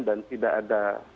dan tidak ada